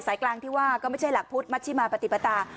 กลางที่ว่าก็ไม่ใช่หลักพุทธมัชชิมาปฏิปตา